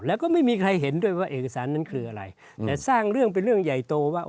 แล้วก็ไม่มีใครเห็นด้วยว่าเอกสารนั้นคืออะไรแต่สร้างเรื่องเป็นเรื่องใหญ่โตว่า